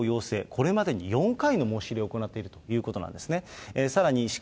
これまでに４回の申し入れを行っているということなんですね。